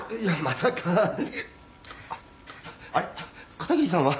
片桐さんは？